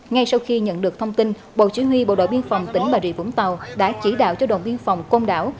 ngay sau khi nhận được thông tin bộ chỉ huy bộ đội biên phòng tỉnh bà rị vũng tàu đã chỉ đạo cho đồng biên phòng côn đảo